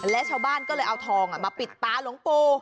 และชาวบ้านก็เลยเอาทองมาปิดตาหลวงปู่